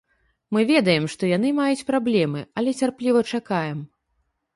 Мы ведаем, што яны маюць праблемы, але цярпліва чакаем.